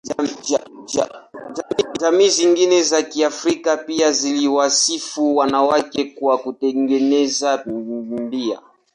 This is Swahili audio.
Jamii zingine za Kiafrika pia ziliwasifu wanawake kwa kutengeneza bia.